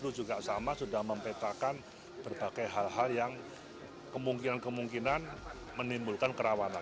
kpu juga sama bawaslu juga sama sudah mempetakan berbagai hal hal yang kemungkinan kemungkinan menimbulkan kerawanan